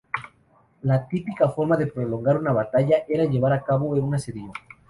La típica forma de prolongar una batalla era llevar a cabo un asedio.